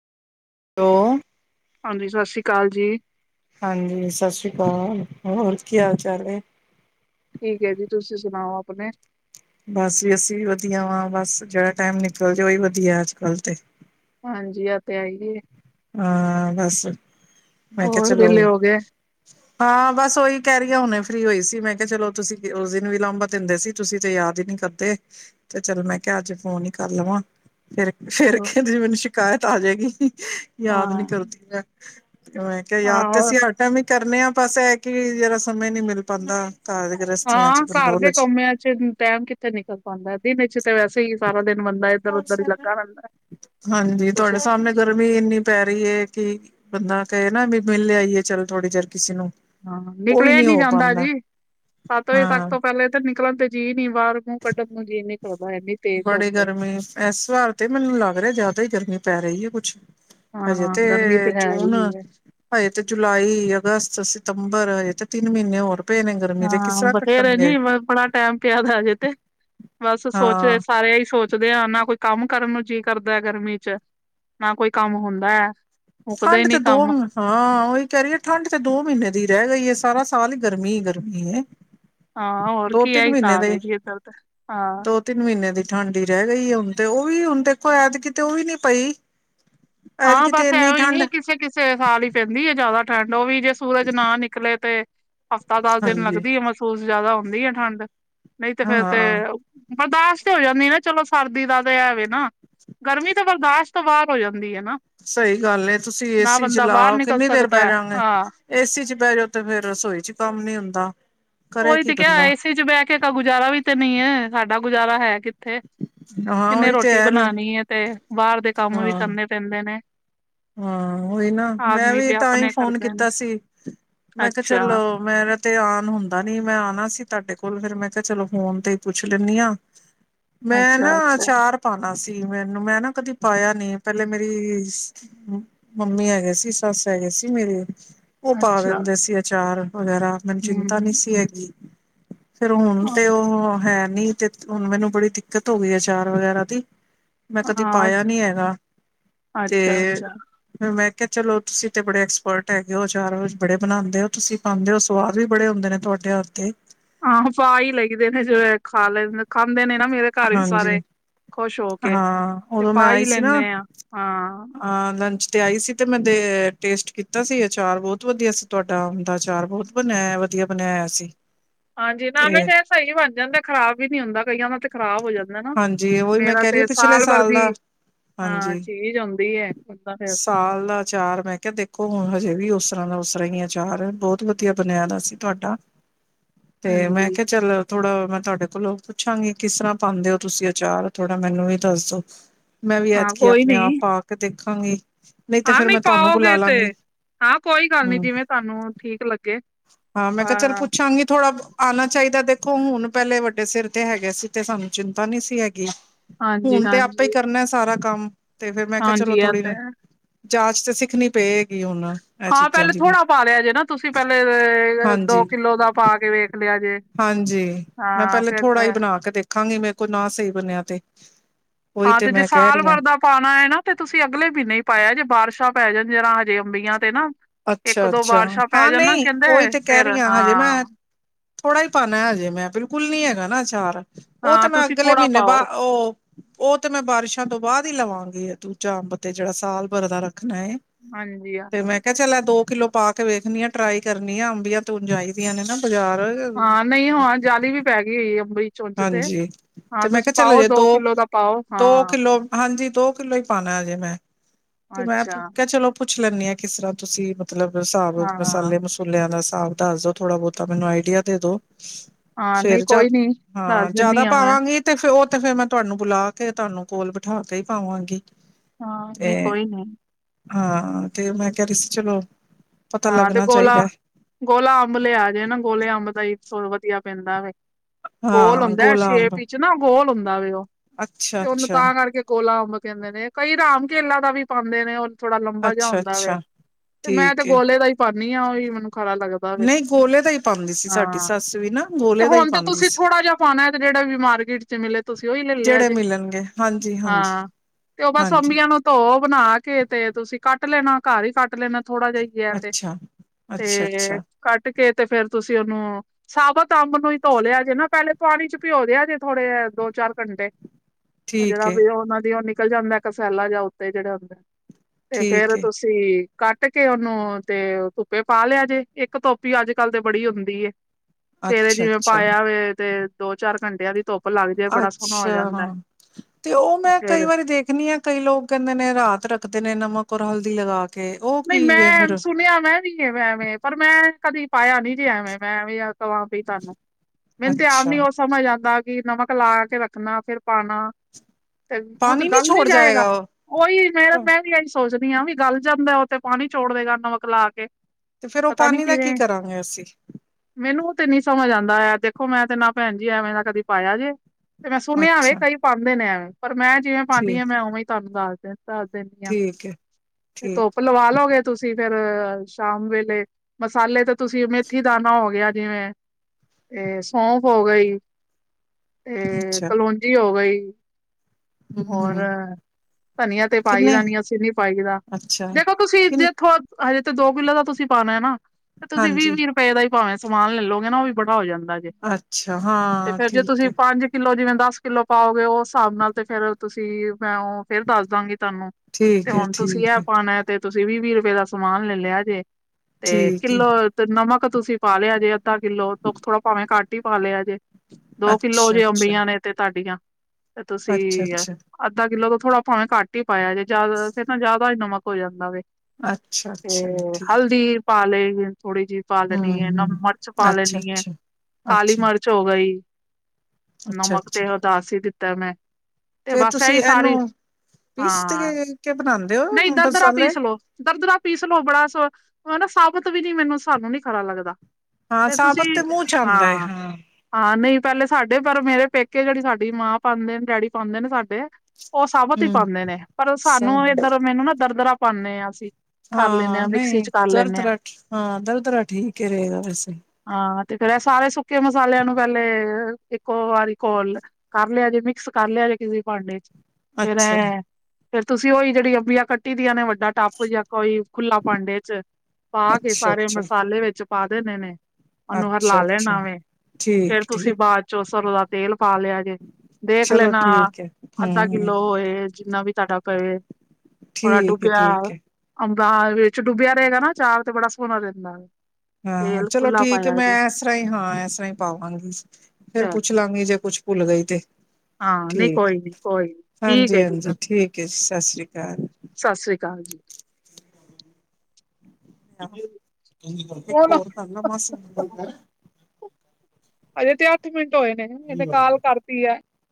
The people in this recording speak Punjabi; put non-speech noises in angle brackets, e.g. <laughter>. ਹਲੋ। ਹਾਂਜੀ, ਸਤਿ ਸ੍ਰੀ ਅਕਾਲ ਜੀ। ਹਾਂਜੀ, ਸਤਿ ਸ੍ਰੀ ਅਕਾਲ, ਹੋਰ ਕੀ ਹਾਲ ਚਾਲ ਹੈ। ਠੀਕ ਹੈ ਜੀ, ਤੁਸੀਂ ਸੁਣਾਓ ਆਪਣੇ। ਬਸ ਵੀ ਅਸੀਂ ਵੀ ਵਧੀਆ ਵਾਂ ਬਸ ਜਿਹੜਾ ਟਾਈਮ ਨਿਕਲ ਜੇ ਉਹੀ ਵਧੀਆ ਅੱਜ ਕੱਲ ਤੇ। ਹਾਂਜੀ ਆ ਤੇ ਹੈ ਹੀ ਹੇ ਹਾਂ ਬੱਸ ਮੈਂ ਕੇਹਾ ਹੋਰ ਚਲੋ ਵਿਹਲੇ ਹੋ ਗਏ ਹਾਂ ਬਸ ਉਹੀ ਕਹਿ ਰਹੀਏ ਹੁਣੇ ਫ੍ਰਰੀ ਹੋਈ ਸੀ ਮੈਂ ਕਿਹਾ ਚਲੋ ਤੁਸੀਂ ਉਸ ਦਿਨ ਵੀ ਲਾਂਬਾ ਦਿੰਦੇ ਸੀ ਤੁਸੀਂ ਤੇ ਯਾਦ ਹੀ ਨਿ ਕਰਦੇ ਤੇ ਚਲ ਮੈਂ ਕਿਹਾ ਅੱਜ ਫੋਨ ਹੀ ਕਰ ਲਵਾਂ ਫਿਰ ਫੇਰ ਚਲੋ ਕਹਿੰਦੇ ਜ ਮੈਨੂੰ ਸ਼ਿਕਾਇਤ ਆ ਜਾਏਗੀ ਯਾਦ ਨਹੀ ਹਾਂ ਕਰਦੀ ਮੈਂ ਮੈਂ ਕਿਹਾ ਯਾਦ ਤੇ ਹਾਂ ਅਸੀਂ ਹਰ ਟਾਇਮ ਵੀ ਕਰਨੇ ਆਾਂ ਬਸ ਇਹ ਕਿ ਜਰਾ ਸਮੇਂ ਨਹੀਂ ਮਿਲ ਪਾਂਦਾ ਘਰ ਗ੍ਰਸਤੀਆਂ ਹਾਂ ਚ ਬੰਦਾ ਘਰ ਦੇ ਉਲਝ ਕੰਮਿਆਂ ਚ ਟਾਈਮ ਕਿੱਥੇ ਨਿਕਲ ਪਾਂਦਾ ਦਿਨ ਚ ਤੇ ਵੈਸੇ ਹੀ ਸਾਰਾ ਦਿਨ ਬੰਦਾ ਇੱਧਰ ਉੱਧਰ ਹੀ ਲੱਗਾ ਰਹਿੰਦਾ ਏ ਹਾਂਜੀ ਤੁਹਾਡੇ ਸਾਹਮਣੇ ਗਰਮੀ ਇੰਨੀ ਪੈ ਰਹੀ ਹੈ ਕਿ ਬੰਦਾ ਏਹ ਨਾ ਦੇ ਮਿਲ ਆਈਏ ਚੱਲ ਥੋੜ੍ਹੀ ਚਿਰ ਹਾਂ ਨਿਕਲਿਆ ਨੀ ਜਾਂਦਾ ਜੀ ਸੱਤ ਵਜੇ ਤੱਕ ਹਾਂ ਤੋਂ ਪਹਿਲੇ ਤੇ ਨਿਕਲਣ ਦੇ ਇੰਨੀ ਤੇਜ਼ ਬੜੀ ਧੁੱਪ ਗਰਮੀ ਇਸ ਵਾਰ ਤੇ ਮੈਨੂੰ ਲੱਗ ਰਿਹਾ ਜਿਆਦਾ ਹੀ ਗਰਮੀ ਪੈ ਰਹੀ ਹੈ ਕੁੱਛ ਹਜੇ ਹਾਂ ਤੇ ਗਰਮੀ ਹੈ ਹੀ ਜੂਨ ਹੈ ਹਜੇ ਤੇ ਜੁਲਾਈ, ਅਗਸਤ, ਸਤੰਬਰ ਪਰ ਹਜੇ ਤੇ ਤਿੰਨ ਮਹੀਨੇ ਹੋਰ ਪਏ ਨੇ ਗਰਮੀ ਦੇ ਕਿਸ ਹਾਂ ਤਰ੍ਹਾਂ ਬਤੇਰਾ ਹ ਕੱਟਣਗੇ ਜੀ ਬੜਾ ਟੈਮ ਪਿਆ ਦਾ ਹਜੇ ਤੇ ਬਸ ਸੋਚਦੇ ਹਾਂ ਸਾਰੇ ਹੀ ਸੋਚਦੇ ਆ ਨਾ ਕੁਛ ਕੰਮ ਕਰਨ ਨੂੰ ਜੀਅ ਕਰਦਾ ਗਰਮੀ ਚ ਨਾ ਕੋਈ ਕੰਮ ਹੁੰਦਾ ਹੈ। ਮੁੱਕਦਾ ਠੰਢ ਹੀ ਤੇ ਨੀ ਦੋ ਕੰਮ ਮ ਹਾਂ ਉਹੀ ਕਹਿ ਰਹੀ ਹੈ ਠੰਢ ਤੇ ਦੋ ਮਹੀਨੇ ਦੀ ਰਹਿ ਗਈਏ ਸਾਰਾ ਸਾਲ ਗਰਮੀ ਹੀ ਗਰਮੀ ਹੇ ਹਾਂ ਹੋਰ ਦੋ ਕੀ ਹੈ ਤਿੰਨ ਮਹੀਨੇ ਹਿਸਾਬ ਦੇ, ਹੈ ਜੀ ਇੱਧਰ ਤੇ ਹਾਂ ਦੋ ਤਿੰਨ ਮਹੀਨੇ ਦੀ ਠੰਡੀ ਰਹਿ ਗਈ ਹੈ ਹੁਣ ਤੇ ਉਹ ਉਹ ਵੀ ਹੁਣ ਦੇਖੋ ਐਤ ਕਿ ਤੇ ਉਹ ਵੀ ਨੀ ਪਈ ਹਾਂ ਐਤਕੀ ਤੇ ਬਸ ਇੰਨੀ ਐੋ ਹੋ ਈ ਠੰਡ ਏ ਕਿਸੇ ਕਿਸੇ ਸਾਲ ਹੀ ਪੈਂਦੀ ਹੈ ਜ਼ਿਆਦਾ ਠੰਡ ਓ ਵੀ ਜੇ ਸੂਰਜ ਨਾ ਨਿਕਲੇ ਤੇ ਹਫ਼ਤਾ ਦਸ ਦਿਨ ਹਾਂਜੀ ਲੱਗਦੀ ਹੈ ਮਹਿਸੂਸ ਜਿਆਦਾ ਹੁੰਦੀ ਆ ਠੰਡ ਨਹੀਂ ਤੇ ਫੇਰ ਤੇ ਹਾਂ ਬਰਦਾਸ਼ਤ ਹੋ ਜਾਂਦੀ ਨਾ ਚਲੋ ਸਰਦੀ ਦਾ ਤੇ ਇਹ ਵੇ ਨਾ ਗਰਮੀ ਤਾਂ ਬਰਦਾਸ਼ਤ ਤੋਂ ਬਾਹਰ ਹੋ ਜਾਂਦੀ ਹੈ ਨਾ ਸਹੀ ਗੱਲ ਏ ਤੁਸੀਂ ਨਾ ਏਸੀ ਚ ਬੰਦਾ ਬਾਹਰ ਲਾਓ ਨਿਕਲ ਕਿੰਨੀ ਦੇਰ ਸਕਦਾ ਪੈ ਹੈ। ਜਾਗੇ ਹਾਂ ਏਸੀ ਚ ਬਹਿ ਜਾਓ ਤੇ ਫਿਰ ਰਸੋਈ ਚ ਕੰਮ ਨੀ ਹੁੰਦਾ ਕਰੇ ਉਹੀ ਕੀ ਤੇ ਕਿਹਾ ਹੇ ਬੰਦਾ ਏਸੀ ਚ ਬਹਿ ਕੇ ਗੁਜ਼ਾਰਾ ਵੀ ਤੇ ਨਹੀਂ ਸਾਡਾ ਗੁਜ਼ਾਰਾ ਹੈ ਕਿੱਥੇ ਹਾਂ ਕਿਨੇ ਉਹੀ ਤੇ ਰੋਟੀ ਹੈ ਬਣਾਉਣੀ ਹੈ ਤੇ ਬਾਹਰ ਦੇ ਕੰਮ ਵੀ ਹਾਂ ਕਰਨੇ ਪੈਂਦੇ ਨੇ ਹਾਂ ਉਹੀ ਨਾ ਮੈਂ ਆਦਮੀ ਵੀ ਤੇ ਤਾਂ ਹੀ ਆਪਣੇ ਫੋਨ ਕਰਦੇ ਨੇ ਕੀਤਾ ਸੀ ਮੈਂ ਕਿਹਾ ਅੱਛਾ ਚਲੋ ਮੇਰਾ ਤੇ ਆਨ ਹੁੰਦਾ ਨਹੀਂ ਮੈਂ ਆਉਣਾ ਸੀ ਤੁਹਾਡੇ ਕੋਲ ਫਿਰ ਮੈਂ ਕਿਹਾ ਚਲੋ ਫੋਨ ਤੇ ਹੀ ਪੁੱਛ ਲੈਂਨੀ ਆ ਮੈਂ ਨਾ ਅੱਛਾ ਅੱਛਾ ਅਚਾਰ ਪਾਣਾ ਸੀ। ਮੈਨੂੰ, ਮੈਂ ਨਾ ਕਦੀ ਪਾਇਆ ਨੀ, ਪਹਿਲੇ ਮੇਰੀ ਸ ਮੰਮੀ ਹੈ ਗਏ ਸੀ, ਸੱਸ ਹੈ ਗੇ ਸੀ ਮੇਰੇ ਉਹ ਪਾ ਅੱਛਾ ਲੈਂਦੇ ਸੀ ਆਚਾਰ ਵਗੈਰਾ, ਮੈਨੂੰ ਚਿੰਤਾ ਨੀ ਹਮ ਸੀ ਹੈਗੀ। ਫਿਰ ਹੁਣ ਤੇ ਉਹ ਹੈ ਨੀ, ਤੇ ਹੁਣ ਮੈਨੂੰ ਬੜੀ ਦਿੱਕਤ ਹੋ ਗਈ ਐ, ਅਚਾਰ ਵਗੈਰਾ ਦੀ। ਮੈਂ ਕਦੀ ਹਾਂ ਪਾਇਆ ਨੀ ਹੈਗਾ। ਤੇ ਅੱਛਾ ਅੱਛਾ। ਮੈਂ ਕਿਆ ਚਲੋ ਤੁਸੀਂ ਤੇ ਬੜੇ ਐਕਸਪਰਟ ਹੈਗੇ ਓ, ਅਚਾਰ ਬੜੇ ਬਣਾਂਦੇ ਓ, ਤੁਸੀਂ ਪਾਂਦੇ ਓ ਸਵਾਦ ਵੀ ਬੜੇ ਹੁੰਦੇ ਨੇ। ਤੁਆਡੇ ਹੱਥ ਦੇ ਆਹੋ ਪਾ ਈ ਲਈਦੇ ਨੇ, ਜੇੜੇ ਖਾ ਲੈਂ, ਖਾਂਦੇ ਨੇ ਨਾ ਮੇਰੇ ਘਰ ਵੀ ਹਾਂਜੀ ਸਾਰੇ। ਖੁਸ਼ ਹੋ ਕੇ ਹਾਂ ਤੇ ਉਦੋਂ ਮੈਂ ਪਾ ਹੀ ਆਈ ਸੀ ਨਾ, ਲੈਂਦੇ ਆ ਹਾਂ ਅਹ ਲੰਚ ਤੇ ਆਈ ਸੀ ਤੇ ਮੈਂ ਦੇ ਟੇਸਟ ਕੀਤਾ ਸੀ ਅਚਾਰ ਬਹੁਤ ਵਧੀਆ ਸੀ ਤੁਆਡਾ, ਅੰਮ ਦਾ ਆਚਾਰ ਬਹੁਤ ਬਣਿਆ ਹੋਇਆ ਵਧੀ ਵਧੀਆ ਬਣਿਆ ਹੋਇਆ ਸੀ। ਹਾਂਜੀ ਨਾਲੇ ਤੇ ਏ ਸਹੀ ਬਣ ਜਾਂਦਾ, ਖ਼ਰਾਬ ਵੀ ਨੀ ਹੁੰਦਾ। ਕਈਆਂ ਦਾ ਤੇ ਖ਼ਰਾਬ ਹੋ ਜਾਂਦਾ। ਨਾ ਹਾਂਜੀ ਓਈ ਮੈਂ ਮੇਰਾ ਕਹਿ ਰਹੀ ਆਂ, ਤੇ ਪਿਛਲੇ ਭਰ ਸਾਲ ਦੀ ਦਾ ਹਾਂ ਹਾਂਜੀ, ਚੀਜ਼ ਆਉਂਦੀ ਹੈ ਬੰਦਾ ਫਿਰ ਸਾਲ ਦਾ ਅਚਾਰ ਮੈਂ ਕਿਆ ਦੇਖੋ ਹੁਣ ਹਜੇ ਵੀ ਉਸ ਤਰਾਂ ਦਾ ਉਸ ਤਰਾ ਈ ਆ ਆਚਾਰ ਬਹੁਤ ਵਧੀਆ ਬਣਿਆ ਦਾ ਸੀ ਤੁਹਾਡਾ। ਤੇ ਮੈਂ ਹਾਂਜੀ ਕਿਹਾ ਚੱਲ ਥੋੜਾ ਮੈਂ ਤੁਆਡੇ ਕੋਲੋਂ ਪੁੱਛਾਂਗੀ, ਕਿਸ ਤਰ੍ਹਾਂ ਪਾਂਦੇ ਓ ਤੁਸੀਂ ਅਚਾਰ, ਥੋੜਾ ਮੈਨੂੰ ਵੀ ਦੱਸਦੋ। ਮੈਂ ਵੀ ਹਾਂ ਐਤਕੀਂ ਕੋਈ ਆਪਣੇ ਨੀ ਆਪ ਪਾ ਕੇ ਦੇਖਾਂਗੀ। ਤੇ ਹਾਂ ਫੇਰ ਨਹੀਂ ਮੈਂ ਤੁਹਾਨੂੰ ਬੁਲਾ ਪਾਓਗੇ ਲਾਂਗੀ ਤੇ, ਹਾਂ ਕੋਈ ਗੱਲ ਨੀ ਹਮ ਜਿਵੇਂ ਤਾਨੂੰ ਠੀਕ ਲੱਗੇ। ਹਾਂ ਮੈਂ ਕਿਆ ਚੱਲ ਪਾ। ਪੁੱਛਾਂਗੀ ਥੋੜਾ ਬ ਆਣਾ ਚਾਈਦਾ ਦੇਖੋ ਹੁਣ, ਪਹਿਲੇ ਵੱਡੇ ਸਿਰ ਤੇ ਹੈਗੇ ਸੀ ਤੇ ਸਾਨੂੰ ਚਿੰਤਾ ਨੀ ਸੀ ਹੈਗੀ। ਹਾਂਜੀ ਹੁਣ ਤੇ ਆਪਾਂ ਈ ਹਾਂਜੀ ਕਰਨਾ ਐ ਸਾਰਾ। ਕੰਮ ਤੇ ਫੇਰ ਮੈਂ ਕਿਹਾ ਚਲੋ ਹਾਂਜੀ ਇਹ ਥੋੜੀ ਤੇ ਹੈ ਜਾਂਚ ਤੇ ਸਿੱਖਣੀ ਪਏਗੀ ਹੁਣ। ਇਹ ਹਾਂ ਚੀਜ਼ਾਂ ਪਹਿਲੇ ਦੀ ਵੀ ਥੋੜ੍ਹਾ ਪਾ ਲਿਆ ਜੇ ਨਾ ਤੁਸੀਂ, ਪਹਿਲੇ ਏ-ਅ-ਏ ਦੋ ਹਾਂਜੀ ਕਿੱਲੋ ਦਾ ਪਾ ਕੇ ਵੇਖ ਲਿਆ ਜੇ। ਹਾਂਜੀ, ਮੈਂ ਹਾਂ ਪਹਿਲੇ ਫੇਰ ਥੋੜ੍ਹਾ ਹੀ ਤੇ ਬਣਾ ਕੇ ਦੇਖਾਂਗੀ। ਮੇ ਕੋ ਨਾ ਸਹੀ ਬਣਿਆ ਤੇ। ਉਹੀ ਹਾਂ ਤੇ ਜੇ ਮੈਂ ਕਹਿ ਸਾਲ ਰਹੀ ਹਾਂ ਵਰ ਦਾ ਪਾਣਾ ਐ ਨਾ ਤੇ ਤੁਸੀਂ ਅਗਲੇ ਹੀ ਪਾਇਆ ਜੇ ਬਾਰਸ਼ਾਂ ਪੈ ਜਣ ਜਰਾਂ ਹਜੇ ਅੰਬੀਆਂ ਤੇ ਨਾ। ਇੱਕ ਅੱਛਾ ਦੋ ਅੱਛਾ ਬਾਰਸ਼ਾਂ ਪੈ ਹਾਂ ਜਾਣ ਨਾ ਨਹੀਂ ਕਹਿੰਦੇ, ਫੇਰ ਹਾਂ। ਥੋੜ੍ਹਾ ਹੀ ਪਾਣਾ ਹਜੇ ਮੈਂ, ਬਿਲਕੁਲ ਨੀ ਹੈਗਾ ਨਾ ਆਚਾਰ। ਉਹ ਤੇ ਹਾਂ ਮੈਂ ਤੁਸੀਂ ਅਗਲੇ ਥੋੜਾ ਮਹੀਨੇ ਪਾਓ ਬਾ-ਓਹ, ਓਹ ਤੇ ਮੈਂ ਬਾਰਿਸ਼ਾਂ ਤੋਂ ਬਾਦ ਹੀ ਲਵਾਂਗੇ, ਦੂਜਾ ਅੰਬ ਤੇ ਜਿਹੜਾ ਸਾਲ ਭਰ ਦਾ ਰੱਖ ਹਾਂਜੀ ਹਾਂਜੀ। ਪਹਿਲਾਂ ਦੋ ਕਿੱਲੋ ਪਾ ਕੇ ਵੇਖਣੀ ਆ ਟਰਾਈ ਕਰਨੀ ਆ, ਅੰਬੀਆਂ ਧੋਣ ਜਾਹੀਦੀਆਂ ਨੇ ਨਾ। ਬਾਜ਼ਾਰ ਹਾਂ ਨਹੀਂ ਹਾਂ, ਜਾਲੀ ਵੀ ਪੈ ਗਈ ਹੋਈ ਹੈ ਅੰਬਰੀ। ਹਾਂਜੀ ਤੇ ਮੈਂ ਕਿਹਾ ਚੱਲ ਹਜੇ ਦੋ, ਕਿੱਲੋ ਦਾ ਪਾਓ ਦੋ ਹਾਂ ਕਿਲੋ, ਹਾਂ ਹਾਂਜੀ ਦੋ ਕਿੱਲੋ ਈ ਪਾਣਾ ਅਜੇ ਮੈਂ, ਤੇ ਮੈਂ ਅੱਛਾ ਕਿਹਾ ਪੁੱਛ ਲੈਣੀ ਹਾਂ ਕਿਸ ਤਰ੍ਹਾਂ ਤੁਸੀਂ ਮਤ ਲਬ ਹਿਸਾਬ ਹਾਂ ਮਸਾਲੇ ਮਸੂਲਿਆਂ ਦਾ ਸਾਬ ਦੱਸ ਦੋ ਥੋੜਾ ਬਹੁਤਾ ਮੈਨੂੰ ਆਈਡੀਆ ਦੇ ਦੋ। ਹਾਂ ਫੇਰ ਨਹੀਂ ਕੋਈ ਜਦ ਨੀ ਦੱਸ ਹਾਂ ਦਿੰਦੀ ਜਿਆਦਾ ਆ ਮੈਂ ਪਾਵਾਂਗੀ ਤੇ ਫੇ ਉਹ ਤੇ ਫੇਰ ਮੈਂ ਤੁਆਨੂੰ ਬੁਲਾ ਕੇ, ਤੁਹਾਨੂੰ ਕੋਲ ਬਿਠਾ ਕੇ ਈ ਪਾਵਾਂਗੀ। ਹਾਂ ਤੇ ਨਹੀਂ ਕੋਈ ਨੀ। ਹਾਂ ਤੇ ਮੈਂ ਕਹਿ ਰਹੀ ਸੀ ਚਲੋ ਪਤਾ ਹਾਂ ਤੇ ਲੱਗਣਾ ਗੋਲਾ, ਚਾਹੀਦਾ ਗੋਲਾ ਅੰਬ ਲਿਆ ਜੇ ਨਾ। ਗੋਲੇ ਅੰਬ ਦਾ ਈ। ਸੁਰ ਵਧੀਆ ਪੈਂਦਾ ਵੇ। ਹੈ ਗੋਲ ਹਾਂ ਹੁੰਦਾ ਗੋਲਾ ਅੰਬ ਛੇਪ ਇਚ ਨਾ ਗੋਲ ਹੁੰਦਾ ਵੇ ਉਹ। ਅੱਛਾ ਤੇ ਓਨੂੰ ਅੱਛਾ ਤਾਂ ਕਰਕੇ ਗੋਲਾ ਅੰਬ ਕਹਿੰਦੇ ਨੇ। ਕਈ ਰਾਮ ਕੇਲਾ ਦਾ ਵੀ ਪਾਉਂਦੇ ਨੇ ਉਹ ਥੋੜਾ ਲੰਬਾ ਜਿਹਾ ਅੱਛਾ ਹੁੰਦਾ ਵੇ, ਅੱਛਾ ਤੇ ਮੈਂ ਤੇ ਠੀਕ ਏ ਗੋਲੇ ਦਾ ਈ ਪਾਨੀ ਆਂ, ਓਹੀ ਮੈਨੂੰ ਖਰਾ ਲੱਗਦਾ ਵੇ, ਨਹੀਂ ਗੋਲੇ ਦਾ ਹੀ ਪਾਉਂਦੀ ਸੀ ਸਾਡੀ ਹਾਂ। ਸੱਸ ਵੀ ਨਾ ਤੇ ਗੋਲੇ ਦਾ ਹੀ ਹੁਣ ਤੇ ਪਾਉਂਦੀ ਤੁਸੀਂ ਸੀ ਥੋੜਾ ਜਿਹਾ ਪਾਣਾ ਐ ਜਿਹੜਾ ਵੀ ਮਾਰਕੀਟ ਚ ਮਿਲੇ ਤੁਸੀਂ ਉਈ ਲੈ ਲਿਆ ਜਿਹੜੇ ਜੇ। ਮਿਲਣਗੇ ਹਾਂਜੀ ਹਾਂਜੀ ਹਾਂ ਤੇ ਓਹ ਬਸ ਹਾਂਜੀ ਅੰਬੀਆਂ ਨੂੰ ਧੋ ਬਣਾ ਕੇ ਤੇ ਤੁਸੀਂ। ਕੱਟ ਲੈਣਾ ਘਰ ਈ ਕੱਟ ਲੈਣਾ ਥੋੜ- ਜਿਹਾ ਤੇ। ਅੱਛਾ ਅੱਛਾ ਤੇ ਅੱਛਾ ਕੱਟ ਕੇ ਤੇ ਫੇਰ ਤੁਸੀਂ ਉਹਨੂੰ ਸਾਬਕ ਤ ਅੰਮ ਨੂੰ ਹੀ ਧੋ ਲਿਆ ਜੇ ਨਾ, ਪਹਿਲੇ ਪਾਣੀ ਚ ਭਿਓ ਲਿਆ ਜੇ ਥੋੜੇ ਆ, ਦੋ ਚਾਰ ਘੰਟੇ। ਉਹ ਠੀਕ ਜਿਹੜਾ ਏ ਵੀ ਉਹ ਓਨਾ ਦੀ ਉਹ ਨਿਕਲ ਜਾਂਦਾ ਕਸੈਲਾ ਜਿਹੜਾ ਉਤੇ ਹੂੰਦਾ। ਤੇ ਫੇਰ ਠੀਕ ਏ ਤੁਸੀਂ ਕੱਟ ਕੇ ਉਹਨੂੰ ਤੇ ਧੁੱਪੇ ਪਾ ਲਿਆ ਜੇ ਇੱਕ ਧੁੱਪ ਹੀ ਅੱਜ ਕੱਲ ਤੇ ਬੜੀ ਹੁੰਦੀ ਏ। ਸਵੇਰੇ ਅੱਛਾ ਜਿਵੇਂ ਅੱਛਾ ਪਾਇਆ ਹੋਵੇ ਤੇ ਦੋ -ਚਾਰ ਘੰਟਿਆਂ ਦੀ ਧੁੱਪ ਲੱਗ ਜਾਏ ਬੜਾ ਸੋਹਣਾ ਹੋ ਜਾਂਦਾ। ਅੱਛਾ। ਤੇ ਉਹ ਮੈਂ ਕਈ ਫੇਰ ਵਾਰੀ ਦੇਖਣੀ ਆ ਕਈ ਲੋਕ ਕਹਿੰਦੇ ਨੇ ਰਾਤ ਨੇ ਨਮਕ ਔਰ ਹਲਦੀ ਲਗਾ ਕੇ ਉਹ ਨਹੀਂ ਕੀ ਵੇ ਮੈਂ, ਫਿਰ ਸੁਣਿਆ ਮੈਂ ਨੀ ਐਵੇ, ਐਵੇਂ ਪਰ ਮੈਂ ਕਦੀ ਪਾਇਆ ਨੀ ਜੇ ਐਵੇਂ ਮੈਂ। ਕਵਾ ਵੀ ਤੁਹਾਨੂੰ, ਮੈਨੂੰ ਤੇ ਆਪ ਅੱਛਾ ਨੀ ਉਹ ਸਮਝ ਆਉਂਦਾ। ਕਿ ਨਮਕ ਲਾ ਕੇ ਰੱਖਣਾ। ਫੇਰ ਪਾਣਾ। ਫੇਰ ਤੇ ਉਹ ਤੇ ਗਲ ਨੀ ਜਾਏਗਾ। ਉਹੀ ਮੈਂ ਉਹ ਮੈਂ ਵੀ ਇਹੀ ਸੋਚਦੀ ਹਾਂ, ਵੀ ਗਲ਼ ਜਾਂਦਾ। ਤੇ ਪਾਣੀ ਛੋੜ ਦੇਗਾ ਨਮਕ ਲਾ ਕੇ‌। ਤੇ ਫੇਰ ਉਹ ਪਤਾ ਨੀ ਪਾਣੀ ਦਾ ਕੀ ਕਿਵੇਂ, ਕਰਾਂਗੇ ਅਸੀਂ ਮੈਨੂੰ ਉਹ ਤੇ ਨਹੀਂ ਸਮਝ ਆਉਂਦਾ ਆ। ਦੇਖੋ ਮੈਂ ਤੇ ਨਾ ਭੈਣ ਜੀ ਐਵੇਂ ਨਾ ਕਦੀ ਪਾਇਆ ਜੇ, ਤੇ ਮੈਂ ਸੁਣਿਆਵੇ ਅੱਛਾ ਕਈ ਪਾਉਂਦੇ ਨੇ ਐਵੇਂ। ਪਰ ਮੈਂ ਜਿਵੇਂ ਪਾਉਦੀ ਹਾਂ ਠੀਕ ਮੈਂ ਉਵੇਂ ਤੁਹਾਨੂੰ ਦੱਸ ਦਿੱਤਾ ਦੱਸ ਦਿੰਦੀ ਹਾਂ। ਠੀਕ ਹੈ ਤੇ ਧੁੱਪ ਠੀਕ ਖੱਲੋਗੇ ਤੁਸੀਂ ਫੇਰ ਸ਼ਾਮ ਵੇਲੇ ਮਸਾਲੇ ਤਾਂ ਤੁਸੀਂ ਮੇਥੀ ਦਾਨਾ ਹੋ ਗਿਆ ਜਿਵੇਂ ਤੇ ਸੌਫ ਹੋ ਗਈ, ਤੇ ਅੱਛਾ ਕਲੋਂਜੀ ਹੋ ਗਈ। ਹਮ ਹੋਰ ਹਮ ਧਨੀਆ ਤੇ ਪਾਈ ਕਿੰਨੇ ਦਾ ਨੀ। ਅਸੀਂ ਨੀ ਪਾਈ ਦਾ। ਅੱਛਾ ਦੇਖੋ, ਤੁਸੀਂ ਕਿਨ ਜੇਥੋਂ ਹਜੇ ਤੇ ਦੋ ਕਿੱਲੋ ਦਾ ਤੁਸੀਂ ਪਾਉਣਾ ਹੈ, ਨਾ ਤੇ ਤੁਸੀਂ ਵੀਹ- ਹਾਂਜੀ ਵੀਹ ਰੁਪਏ ਦਾ ਹੀ ਪਾਵ ਸਮਾਨ ਲੈਲਓਗੇ। ਨਾ ਉਹ ਵੀ ਬੜਾ ਹੋ ਜਾਂਦਾ ਜੇ, ਅੱਛਾ ਤੇ ਹਾਂ ਫੇਰ ਜੇ ਠੀਕ ਤੁਸੀਂ ਹੈ ਪੰਜ ਕਿੱਲੋ ਜਿਵੇਂ ਦਸ ਕਿੱਲੋ ਪਾਓਗੇ। ਉਸ ਹਿਸਾਬ ਨਾਲ ਤੇ ਫੇਰ ਤੁਸੀਂ ਮੈਂ ਉਹ ਫੇਰ ਦੱਸ ਦਵਾਂਗੀ। ਤੁਹਾਨੂੰ ਤੇ ਠੀਕ ਹੈ ਹੁਣ ਤੁਸੀਂ ਠੀਕ ਹੈ ਆਪ ਤੇ ਤੁਸੀਂ ਵੀਹ- ਵੀਹ ਰੁਪਏ ਦਾ ਸਮਾਨ ਲੈ ਲਿਆ। ਜੇ ਤੇ ਠੀਕ ਹੈ ਕਿੱਲੋ ਤੇ ਨਮਕ- ਤੇ ਤੁਸੀਂ ਪਾ ਲਿਆ ਜੇ, ਅੱਧਾ ਕਿੱਲੋ ਤੋ ਥੋੜਾ ਭਾਵੇਂ ਘੱਟ ਹੀ ਪਾ ਲਿਆ ਜੇ। ਦੋ ਅੱਛਾ ਕਿੱਲੋਜੇ, ਅੱਛਾ ਅੰਬੀਆਂ ਨੇ ਤੇ ਤੁਹਾਡੀਆਂ। ਤੇ ਅੱਛਾ ਤੁਸੀਂ, ਅੱਛਾ ਅੱਧਾ ਕਿੱਲੋ ਤਾਂ ਥੋੜ੍ਹਾ ਭਾਵੇਂ ਘੱਟ ਹੀ ਪਾਇਆ ਜੇ। ਜਿਆਦਾ ਤਾਂ ਜਿਆਦਾ ਹੀ ਨਮਕ ਹੋ ਜਾਂਦਾ ਵੇ। ਅੱਛਾ ਤੇ ਅੱਛਾ ਠੀਕ ਹੈ ਹਲਦੀ ਪਾ ਲਏ ਥੋੜੀ ਜਿਹੀ ਪਾ ਲੈਣੀ ਹਮ ਹੈ। ਨਮ ਹਮ ਮਿਰਚ ਪਾ ਅੱਛਾ ਲਣੀ ਹੈ। ਅੱਛਾ ਕਾਲੀ ਅੱਛਾ ਮਿਰਚ ਹੋ ਗਈ। ਨਮਕ ਤੇ ਅੱਛਾ-ਅੱਛਾ ਉਰ ਦੱਸ ਹੀ ਦਿੱਤਾ। ਮੈਂ' ਤੇ ਫੇਰ ਬਸ ਤੁਸੀਂ ਐਹੀ ਸਾਰੀ। ਇਹਨੂੰ ਪੀਸ ਤੇ ਹਾਂ। ਕੇ ਬਣਾਉਂਦੇ ਹੋ ਨਹੀਂ ਦਰਦਰਾ ਮਸਾਲੇ ਪੀਸ ਲੋ, ਦਰਦਰਾ ਪੀਸ ਲੋ ਬੜਾ ਸ ਉਹ ਨਾ ਸਾਬਤ ਵੀ ਨੀ ਮੈਨੂੰ, ਸਾਨੂੰ ਨੀ ਖਰਾ ਲੱਗਦਾ। ਹਾਂ ਫੇਰ ਸਾਬਤ ਤੁਸੀਂ ਤੇ ਮੂੰਹ ਚ ਆਉਂਦਾ ਹੈ ਹਾਂ। ਹਾਂ ਨਹੀਂ ਪਹਿਲੇ ਸਾਡੇ ਪਰ ਮੇਰੇ ਪੇਕੇ ਜਿਹੜੀ, ਸਾਡੀ ਮਾਂ ਪਾਉਂਦੇ ਨੇ, ਡੈਡੀ ਪਾਉਂਦੇ ਨੇ ਸਾਡੇ ਉਹ ਸਾਬਤ ਹੀ ਹਮ ਪਾਉਂਦੇ ਨੇ। ਪਰ ਸਾਨੂੰ ਇਹ ਸਭ ਨਾ ਦਰਦਰਾ ਪ ਪਾਉਦੇ ਹਾਂ, ਅਸੀਂ। ਕਰ ਲੈਂਦੇ ਹਾਂ। ਮਿਕਸੀ ਨਹੀਂ ਚ ਕਰ ਲੈਂਦੇ ਹਾਂ ਦਰਦਦਾ ਹਾਂ, ਦਰਦਦਾ ਠੀਕ ਰਹੇਗਾ ਵੈਸੇ। ਹਾਂ। ਤੇ ਫਿਰ ਸਾਰੇ ਸੁ ਮਸਾਲਿਆਂ ਨੂੰ ਪਹਿਲੇ ਇੱਕੋ ਵਾਰੀ ਘੋਲ ਕਰ ਲਿਆ। ਜੇ ਮਿਕਸ ਕਰ ਲਿਆ ਜੇ ਕਿਸੇ ਭਾਂਡੇ ਚ ਫੇਰ ਅੱਛਾ। ਐ ਫੇਰ ਤੁਸੀਂ ਉਹੀ, ਜਿਹੜੀ ਅੰਬੀਆਂ ਕੱਟੀ ਦੀਆਂ ਨੇ ਵੱਡਾ ਟੱਪ ਜਾਂ ਕੋਈ ਖੁਲਾ ਭਾਂਡੇ ਚ ਪਾ ਕੇ। ਅੱਛਾ ਸਾਰੇ ਅੱਛਾ ਮਸਾਲੇ ਵਿੱਚ ਪਾ ਦੇਣੇ ਨੇ। ਉਹਨੂੰ ਹਰਲਾ ਅੱਛਾ-ਅੱਛਾ ਲੈਣਾਵੇਂ। ਫੇਰ ਤੁਸੀਂ ਠੀਕ-ਠੀਕ ਬਾਅਦ ਚੋਂ ਸਰੋਂਦਾ ਤੇਲ ਪਾ ਲਿਆ। ਜੇ ਦੇਖ ਚਲੋ ਲੈਣਾ ਠੀਕ ਹੈ ਅੱਧਾ ਕਿੱਲੋ ਹਮ ਹੋਏ ਜਿੰਨਾ ਵੀ <unintelligible> ਠੀਕ ਹੈ ਡੁਬਿਆ ਠੀਕ ਅ ਹੈ ਹਾਂ ਵਿੱਚ ਡੁੱਬਿਆ ਰਹੇਗਾ ਨਾ ਅਚਾਰ ਤੇ ਬੜਾ ਸੋਹਣਾ ਰਿੰਦਾ। ਹਾਂ ਚਲੋ ਠੀਕ ਹੈ। ਮੈਂ ਇਸ ਤਰ੍ਹਾਂ ਹੀ ਹਾਂ। ਇਸ ਤਰ੍ਹਾਂ ਹੀ ਪਾਵਾਂਗੀ। ਫੇਰ ਚਲ ਪੁੱਛ ਲਾਂਗੀ। ਜੇ ਕੁ ਕੁਛ ਭੁੱਲ ਗਈ, ਤੇ ਹਾਂ ਨਹੀਂ ਠੀਕ ਕੋਈ ਨੀ ਕੋਈ ਨੀ ਠੀਕ ਹਾਂਜੀ ਹੈ ਜੀ ਚਲ -ਹਾਂਜੀ ਠੀਕ ਹੈ ਜੀ। ਸਤਿ ਸ੍ਰੀ ਅਕਾਲ। <unintelligible> ਚਾਰ। ਏ ਹਾਂਜੀ। ਏਕ ਹੋਰ ਕਰ ਮਾਸੀ ਦੇ ਮੰਡੇ ਨੂੰ ਕਰ। ਹਜੇ ਤੇ ਅੱਠ ਮਿੰਟ ਹੋਏ ਨੇ ਇਹਨੇ ਕਾਲ ਕਰਤੀ ਹੈ।